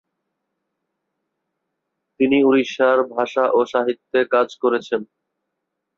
তিনি উড়িষ্যার ভাষা ও সাহিত্যে কাজ করেছেন।